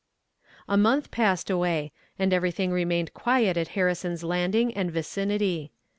A month passed away, and everything remained quiet at Harrison's Landing and vicinity.